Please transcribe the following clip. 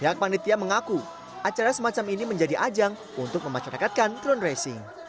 yang panggit dia mengaku acara semacam ini menjadi ajang untuk memacarakatkan drone racing